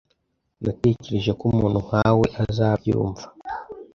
Natekereje ko umuntu nkawe azabyumva.